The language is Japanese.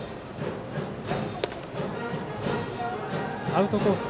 アウトコース